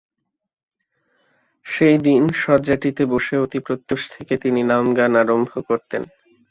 সেই দীন শয্যাটিতে বসে অতি প্রত্যূষ থেকে তিনি নামগান আরম্ভ করতেন।